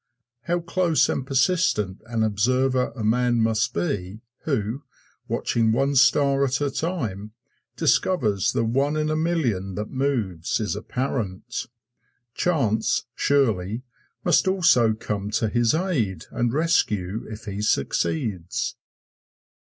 How close and persistent an observer a man must be who, watching one star at a time, discovers the one in a million that moves, is apparent. Chance, surely, must also come to his aid and rescue if he succeeds.